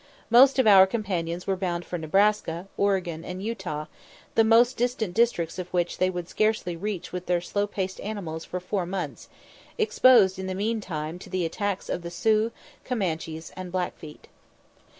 Most of our companions were bound for Nebraska, Oregon, and Utah, the most distant districts of which they would scarcely reach with their slow paced animals for four months: exposed in the mean time to the attacks of the Sioux, Comanches, and Blackfeet.